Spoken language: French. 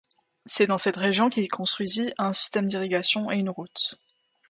C'est dans cette région qu'il construisit un système d'irrigation et une route.